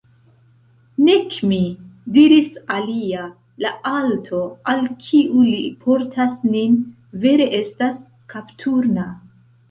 Nek mi, diris alia, la alto, al kiu li portas nin, vere estas kapturna.